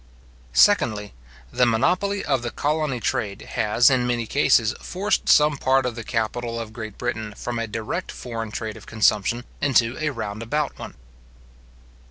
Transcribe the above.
Secondly, The monopoly of the colony trade, has, in many cases, forced some part of the capital of Great Britain from a direct foreign trade of consumption, into a round about one.